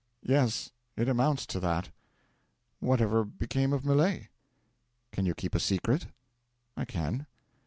'Yes it amounts to that.' 'Whatever became of Millet?' 'Can you keep a secret?' 'I can.'